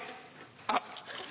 あっ！